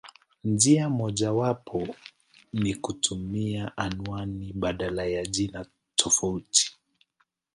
Njia mojawapo ni kutumia anwani mbadala kwa jina tofauti.